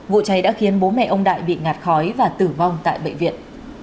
vụ cháy đã khiến bố mẹ ông đại bị ngạt khói và tử vong tại bệnh viện